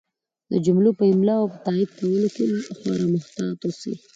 د جملو په املا او تایید کولو کې خورا محتاط اوسئ!